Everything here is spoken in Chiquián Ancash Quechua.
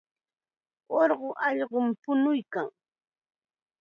Urqu allqum puñuykan.